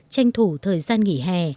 tranh thủ thời gian nghỉ hè